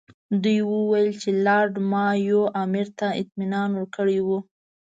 دوی وویل چې لارډ مایو امیر ته اطمینان ورکړی وو.